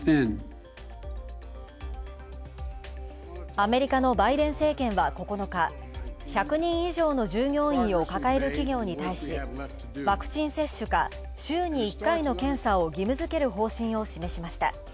アメリカのバイデン政権は９日、１００人以上の従業員を抱える企業に対しワクチン接種か、週に１回の検査を義務づける方針を示しました。